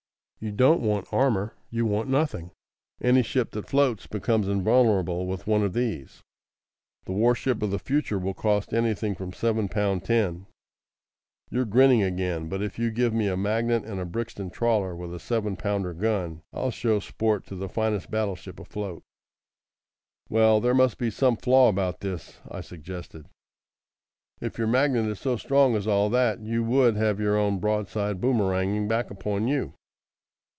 You don't want armour. You want nothing. Any ship that floats becomes invulnerable with one of these. The war ship of the future will cost anything from seven pound ten. You're grinning again; but if you give me a magnet and a Brixton trawler with a seven pounder gun I'll show sport to the finest battle ship afloat." "Well, there must be some flaw about this," I suggested. "If your magnet is so strong as all that, you would have your own broadside boomeranging back upon you."